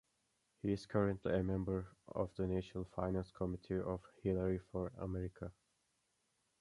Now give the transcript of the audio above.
He is currently a member of the national finance committee of Hillary for America.